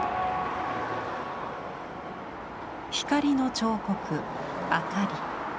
光の彫刻「あかり」。